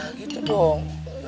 nah gitu dong